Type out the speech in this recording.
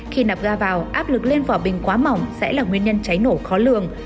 khi nạp ga vào áp lực lên vỏ bình quá mỏng sẽ là nguyên nhân cháy nổ khó lường